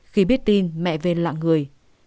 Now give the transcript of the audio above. khi biết tin mẹ v lặng người